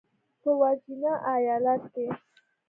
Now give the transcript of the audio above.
په ورجینیا ایالت کې